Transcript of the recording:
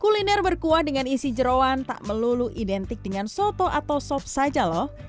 kuliner berkuah dengan isi jerawan tak melulu identik dengan soto atau sop saja loh